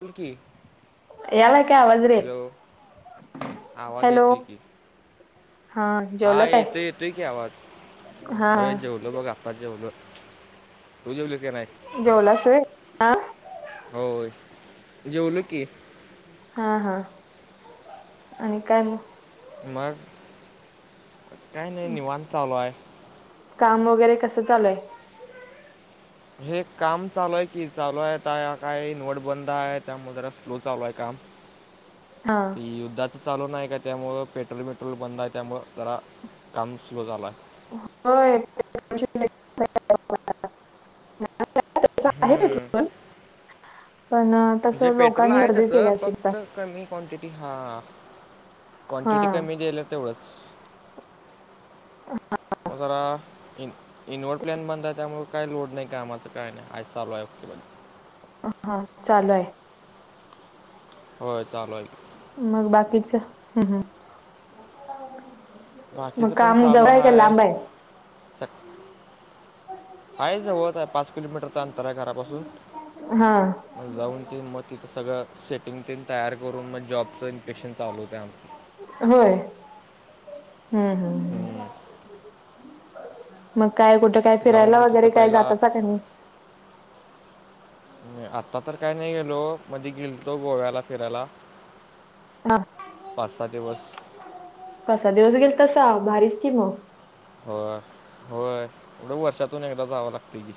तुर्की. यालाय का आवाज रे? आवाज हॅलो येतोय की. हा हा जेवलाच येतोय आहे येतोय की, आवाज हा हो जेवलो बघा. आता जेवलो, बोल तू जेवली की नाही. जेवलास होय? ह.. होय, जेवलो की. हा हा.. आणि काय मग? मग काही नाही निवांत चालू आहे. काम वगैरे कसं चालूय? हे काम चालू आहे की चालू आहे काय इन्व्हर्ट बंद आहे जरा स्लो चालू आहे काम हा.. ते युद्धाचं चालू नाही का त्यामुळं पेट्रोल मेट्रोल बंद आहे त्यामुळं जरा काम स्लो झालं आहे. [unintelligible] हम्म, [unintelligible] म्हणजे तसं पेट्रोल लोकांनी आहे गर्दी तसं केल्या फक्त [unintelligible] कमी क्वांटिटी हा हा क्वांटिटी कमी दिला तेवढंच. मग जरा इ इनवड प्लॅन बंद आहे त्यामुळे काय लोड नाही का कामाचा, काय नाही आज चालू आहे ओके हा चालू आहे. होय चालु आहे. मग बाकीच्या हम् हम... मग बाकीचं पण काम चालू जवळ हाय का लांब आहे? हाय जवळच आहे पाच किलोमीटरचं अंतर आहे घरापासून. हा मग जाऊन ते मग तिथं सगळं सेटिंग ते तयार करून मग जॉबचं इन्पेक्शन चालव होते आमच. होय हम्म हम्म.. मग काय कुठं काय फिरायला जाऊन तिथं वगैरे काय पहिला जातासा का नाही? आता तर काय नाही गेलो, मध्ये गेलतो गोव्याला फिरायला. हा पाच सहा दिवस. पाच सहा दिवस गेलतसा भारीचं कि मग. हो होय एवढं वर्षातून एकदा जावं लागते की.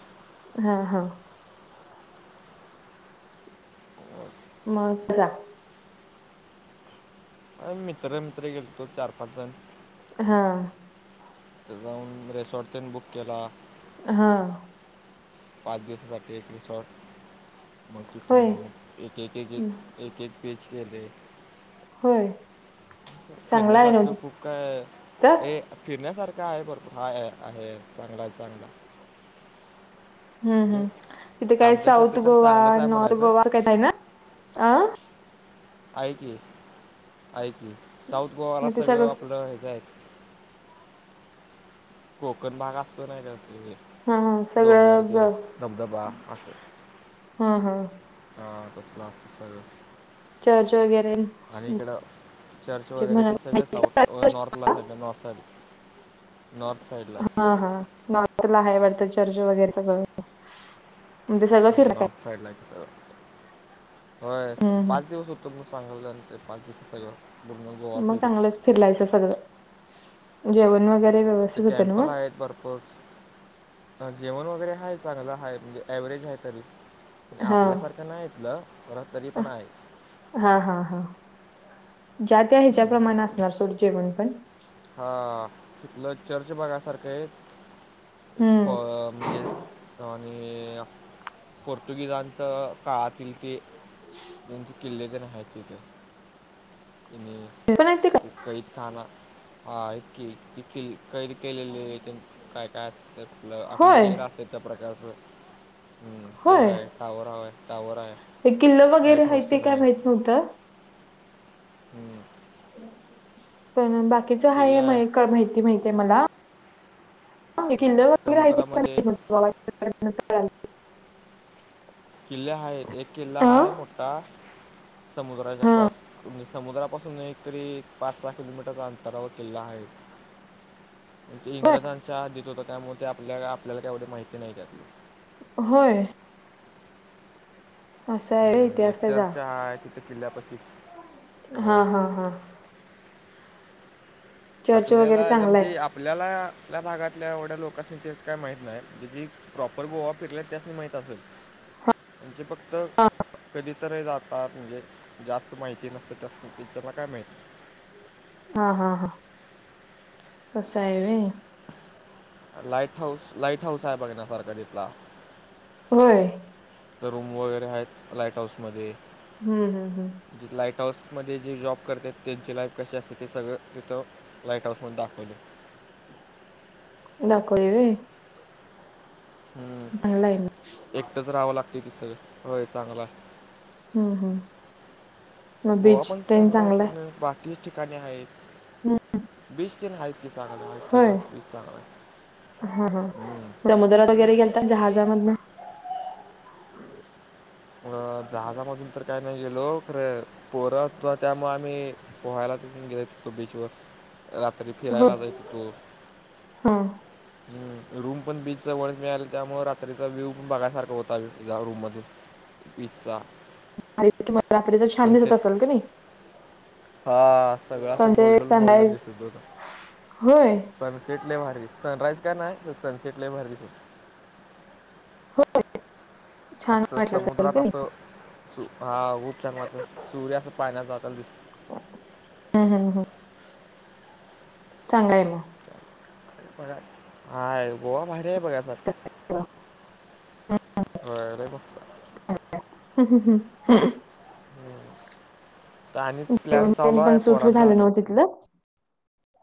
हा हा.. मग धारा.. मित्र मित्र गेलोतो चार पाच जण. हा.. जाऊन रेसॉर्ट तेन बुक केला. हा.. हा.. पाच बस साठीे एक रिसॉर्ट मग होय तिथून, एक एक एक एक एक पेज केले. होय. फिरण्या चांगला आहे ना सारखे कुक काय तिथ [inaudible] फिरण्यासारखा आहे भरपूर, हा आहे चांगला आहे चांगला ह् ह् म्हणजे तिथे काय आमच्यासाठी साऊथ तर गोवा, चांगलंच आहे नॉर्थ म्हणायचं गोवा काय आहे ना अ हाय की, हाय की, साऊथ गोवाला मग ते सगळं आपलं ह्याच आहेत. कोकण भाग असतो नाही तर त हा हा डोंगर सगळं तीन ग- धबधबा असत. हा हा तसं लास् स [inaudible] चर्च वगैरे आणि इकड चर्च जे वगैरे ते म्हणा- सगळ साऊथ नॉर्थ [inaudible] नॉर्थ साईडला हा सगळं हा नॉर्थला आहे वाटतं, चर्च वगैरे सगळं म्हणजे [inaudible] साईड ला आहे तिथ, होय हम्म पाच हम्म दिवस होतो मग चांगलंंत ते पाच दिवस सगळं पूर्ण गोवा मग फिरून चांगलंच फिरलायचं सगळं, जेवण वगैरे व्यवस्थित होतं ना टेम्पल मग आहेत भरपूर ह जेवण वगैरे आहे चांगलं आहे, म्हणजे एव्हरेज आहे तरी हा आपल्यासारखं नाही तिथ, परत तरी पण आहे. हा हां हां ज्या त्या हम्म. ह्याच्याप्रमाणे असणार सोड जेवण पण हा... तिथलं चर्च बघायसारखं आहे. फ हम्म म्हणजे आणि.... पोर्तुगीजांच काळातील ते त्यांचे किल्ले बी आहेत तिथे [inaudible] पण ते का कै खाणा ह कै केले काय काय त्या आपलं आपली होय जे रा असते त्या प्रकारचं ते होय हाय टावर आहे टावर आहे हे किल्लं लाईट वगैरे आहे, हाऊस ते काय आहेत माहित नव्हतं हम्म, पण बाकीच हाय किल्ले आहेत का माहिती माहती आहे मला किल्लं हम्म, वगैरे समुद्रामध्ये आहे [inaudible] किल्ले आहेत एक किल्ला हा आहे अं? मोठा समुद्राच्या हा क तुम्ही, समुद्रापासून एकतरी पाच सहा किलोमीटरच्या अंतरावर किल्ला आहे. आणि ते होय इंग्रजांच्या हद्दीत होतं, त्यामुळे ते आपल्या आपल्याला काही एवढी माहिती नाही त्यातली. होय. असा आहे होय हम्म, एक इतिहास त्याचा, चर्च आहे तिथे किल्ल्यापाशी हा.. अं, हा. चर्च वगैरे आपल्याला हेज्या चांगला आहे म्हणजे आपल्याला आपल्या भागातल्या, एवढ्या लोकासनी तेचं काय माहीत नाही. ज्याची प्रॉपर गोवा फिरलाय, त्यासनी माहित असंल. हा. म्हणजे, फक्त कधी तरीही जातात म्हणजे जास्त माहिती नसते त्यास्नी, टीचरला काय माहीत हा.. हा.. हा. तसं हाय व्हय. लाईट हाऊस, लाईट हाऊस आहे बघण्यासारखा तिथला. होय. रूम वगैरे आहेत, लाईट हाऊसमध्ये हम्म.. हम्.. हम्. लाइट हाऊसमध्ये जे जॉब करतेत, त्यांची लाईफ कशी असते ते सगळं तिथं लाईट हाऊस मध्ये दाखवलंय. दाखवलंय होय. हम्म, चांगला आहे मग एकटंच राहावं लागतंय तिथं. होय चांगला. हम्म हम्म मग गोवा बीच पण तेन चांगला आहे, खरं बाकी तेच ठिकाणी आहे. हम्म बीच तेन आहेत की चांगलं आहे. होय सगळंच बीच चांगलं आहे. हा.. हा, हम्म. समुद्रात वगैरे गेलता, जहाजामधनं? आ.. जहाजांमधून तर काही नाही गेलो, खरं पोरं होती त्यामुळं आम्ही पोहायला तिथून गेलतो, बीचवर. रात्री हो फिरायला जाईत होतो. हा रूम पण बीच जवळच मिळाली, त्यामुळं रात्रीचा व्ह्यूव पण बघायसारखा होता या रूम मधून. पिझ्झा. आणि समुद्र रात्रीचं छान दिसत असेल का नाही? हा सगळं असं सनसेट गोल्डन गोल्डन सनराईज दिसत होतं. होय सनसेट लई भारी दिसत होता. सनराईज का नाहीय, पण सनसेट लई भारी दिसत. हो छान असं वाटलं असेल समुद्रात का नाही असं, हा खूप छान वाटत. सूर्य असा पाण्यात जाता दिस हम.. हम.. हम. चांगलं आहे मग. प हाय गोवा भारी आहे बघा. तर. होय, लई मस्त आहे. हम.. हम.. हम.. ह. का आणि प्लॅन जेवण चालु तेन आहे पण सुट पोरांचा? झालं नव्ह तिथलं